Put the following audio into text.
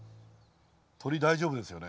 鳥大丈夫ですよね？